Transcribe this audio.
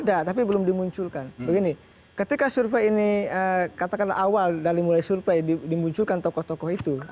tidak tapi belum dimunculkan begini ketika survei ini katakanlah awal dari mulai survei dimunculkan tokoh tokoh itu